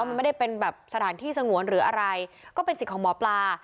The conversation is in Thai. มันไม่ได้เป็นแบบสถานที่สงวนหรืออะไรก็เป็นสิทธิ์ของหมอปลา